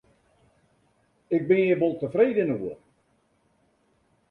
Ik bin hjir wol tefreden oer.